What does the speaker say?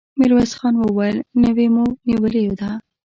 ميرويس خان وويل: نوې مو نيولې ده!